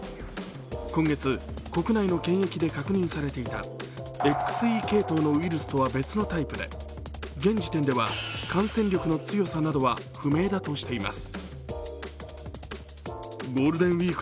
今月、国内の検疫で確認されていたＸＥ系統のウイルスとは別のタイプで現時点では感染力の強さなどは不明だとしています。